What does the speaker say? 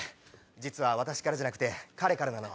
実は私からじゃなくて彼からなの。